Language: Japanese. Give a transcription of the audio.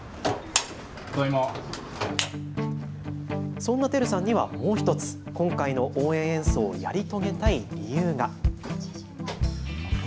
そんな照さんにはもう１つ、今回の応援演奏をやり遂げたい理由が。